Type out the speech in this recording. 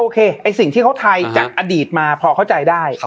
ไอ้สิ่งที่เขาไทยจากอดีตมาพอเข้าใจได้